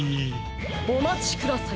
おまちください。